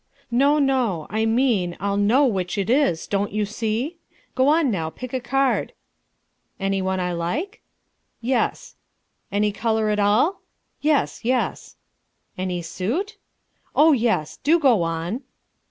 "No, no; I mean, I'll know which it is don't you see? Go on now, pick a card." "Any one I like?" "Yes." "Any colour at all?" "Yes, yes." "Any suit?" "Oh, yes; do go on."